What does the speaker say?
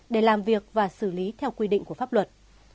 để làm việc và xử lý theo quy định của pháp luật